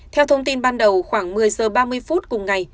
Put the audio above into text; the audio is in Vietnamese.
theo thông tin ban đầu khoảng một mươi giờ ba mươi phút cùng ngày